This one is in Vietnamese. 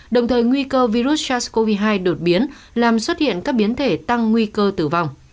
đồng thời nguy cơ virus sars cov hai đột biến làm xuất hiện các biến thể tăng nguy cơ tử vong